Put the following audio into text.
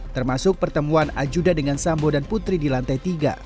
termasuk pertemuan ajuda dengan sambo dan putri di lantai tiga